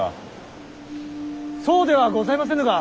そうではございませぬが。